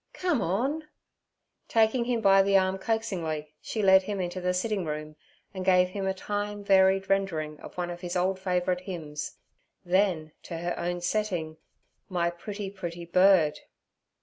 'Come on.' Taking him by the arm coaxingly, she led him into the sitting room and gave him a time—varied rendering of one of his old favourite hymns; then, to her own setting, 'My pretty, pretty bird.'